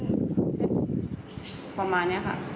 ประมาณนี้ค่ะ